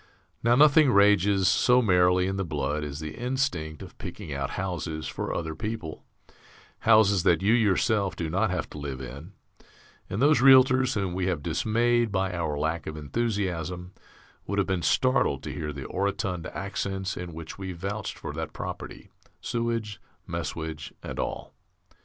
Now nothing rages so merrily in the blood as the instinct of picking out houses for other people, houses that you yourself do not have to live in; and those Realtors whom we have dismayed by our lack of enthusiasm would have been startled to hear the orotund accents in which we vouched for that property, sewage, messuage, and all.